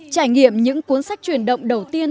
trải nghiệm những cuốn sách truyền động đầu tiên